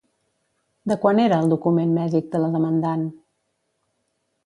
De quan era el document mèdic de la demandant?